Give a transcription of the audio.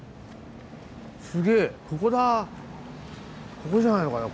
ここじゃないのかな？